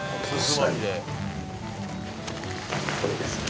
下にこれですね